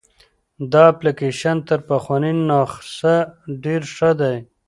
دا اپلیکیشن تر پخواني نسخه ډېر ښه دی.